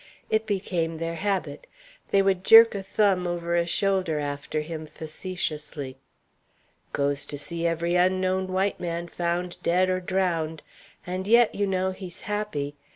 It became their habit. They would jerk a thumb over a shoulder after him facetiously. "Goes to see every unknown white man found dead or drowned. And yet, you know, he's happy.